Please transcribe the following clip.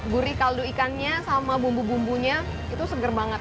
gurih kaldu ikannya sama bumbu bumbunya itu seger banget